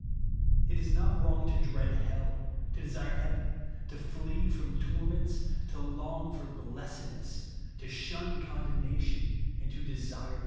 It is not WTong to dread hell, to desire heaven, to tiee from torments, to long for blessed ness, to shun condemnation, and to desire JESUS ONLY.